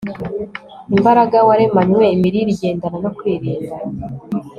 imbaraga waremanywe Imirire igendana no kwirinda